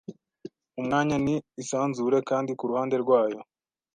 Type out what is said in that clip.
umwanya ni isanzure Kandi kuruhande rwayo